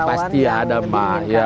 pasti ada mbak